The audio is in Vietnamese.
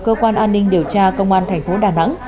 cơ quan an ninh điều tra công an thành phố đà nẵng